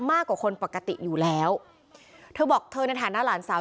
มากกว่าคนปกติอยู่แล้วเธอบอกเธอในฐานะหลานสาว